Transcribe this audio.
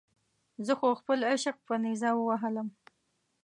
خو زه خپل عشق په نیزه ووهلم.